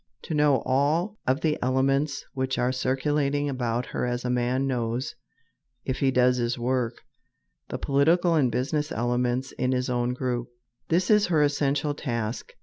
To know all of the elements which are circulating about her as a man knows, if he does his work, the political and business elements in his own group, this is her essential task.